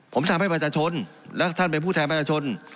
ผมทำให้ประชาชนและท่านเป็นผู้แทนประชาชน